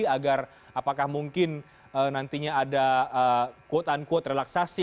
agar apakah mungkin nantinya ada quote unquote relaksasi